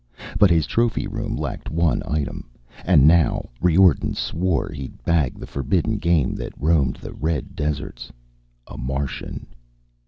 But his trophy room lacked one item; and now Riordan swore he'd bag the forbidden game that roamed the red deserts ... a Martian!